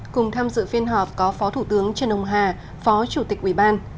cùng tham dự phiên họp có phó thủ tướng trân ông hà phó chủ tịch ủy ban